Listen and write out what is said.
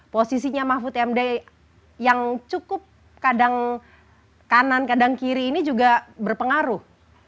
posisinya mahfud md yang cukup kadang kanan kadang kiri ini juga berpengaruh